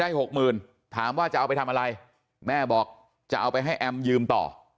ได้๖๐๐๐๐ถามว่าจะเอาไปทำอะไรแม่บอกจะเอาไปให้ยืมต่อ